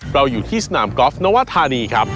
เราอยู่ที่สนามกอล์ฟนวธานีครับ